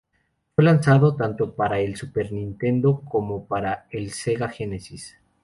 Fue lanzado tanto para el Super Nintendo como para el Sega Genesis.